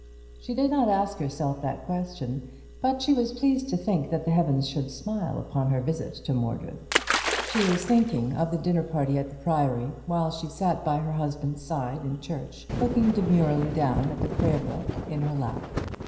She did not ask herself that question; but she was pleased to think that the heavens should smile upon her visit to Mordred. She was thinking of the dinner at the Priory while she sat by her husband's side in church, looking demurely down at the Prayer book in her lap.